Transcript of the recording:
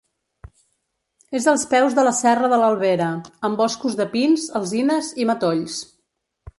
És als peus de la serra de l'Albera, amb boscos de pins, alzines i matolls.